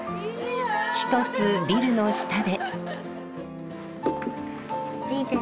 ひとつビルの下で。